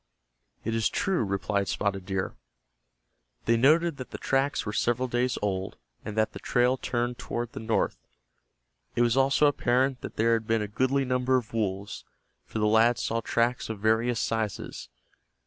"It is true," replied Spotted Deer. They noted that the tracks were several days old, and that the trail turned toward the north. It was also apparent that there had been a goodly number of wolves, for the lads saw tracks of various sizes.